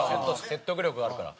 説得力があるから。